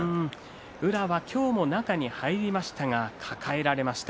宇良は今日も中に入りましたが抱えられました。